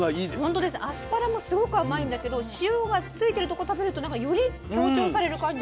アスパラもすごく甘いんだけど塩がついてるとこ食べるとなんかより強調される感じ。